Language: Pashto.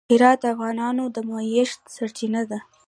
هرات د افغانانو د معیشت سرچینه ده.